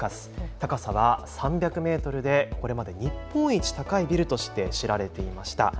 高さは３００メートルでこれまで日本一高いビルとして知られていました。